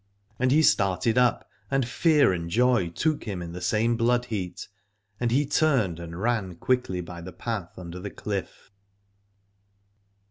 And he started up, and fear and joy took him in the same blood heat, and he turned and ran quickly by the path under the cliff.